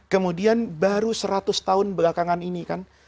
kemudian baru seratus tahun belakangan ini kan